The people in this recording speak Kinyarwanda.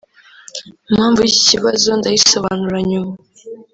mpamvu y'iki kibazo ndayisobanura nyuma